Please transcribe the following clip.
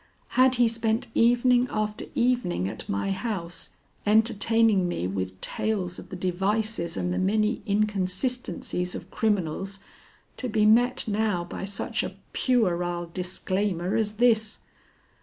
Had he spent evening after evening at my house, entertaining me with tales of the devices and the many inconsistencies of criminals, to be met now by such a puerile disclaimer as this?